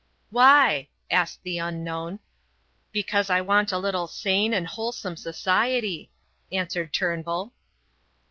"Why?" asked the unknown. "Because I want a little sane and wholesome society," answered Turnbull.